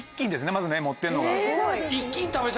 まず持ってるのが。